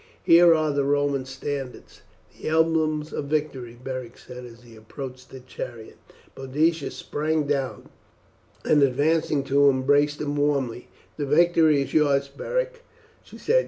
"Here are the Roman standards, the emblems of victory," Beric said as he approached the chariot. Boadicea sprang down, and advancing to him, embraced him warmly. "The victory is yours, Beric," she said.